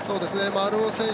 丸尾選手